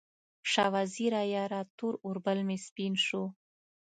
شاه وزیره یاره، تور اوربل مې سپین شو